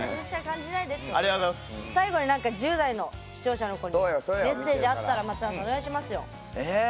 最後に１０代の視聴者の子にメッセージあったら松永さんお願いしますよ。